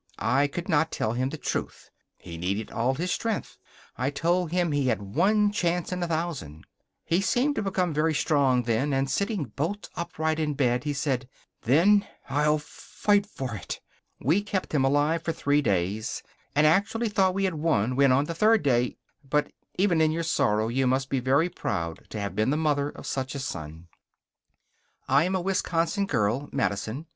I could not tell him the truth. He needed all his strength. I told him he had one chance in a thousand. He seemed to become very strong then, and sitting bolt upright in bed, he said: "Then I'll fight for it!" We kept him alive for three days, and actually thought we had won when on the third day... But even in your sorrow you must be very proud to have been the mother of such a son.... I am a Wisconsin girl Madison.